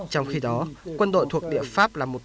trong khi đó quân đội thuộc địa pháp là một đội lĩnh